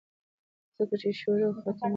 ځکه چې شورو او خاتمه لري